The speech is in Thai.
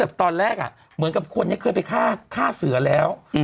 ที่แบบตอนแรกเมื่อก็คนนี้เพื่อไปฆ่าเสือแล้ว